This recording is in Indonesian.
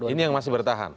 ini yang masih bertahan